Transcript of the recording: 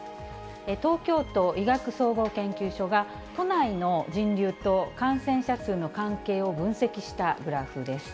東京都医学総合研究所が、都内の人流と感染者数の関係を分析したグラフです。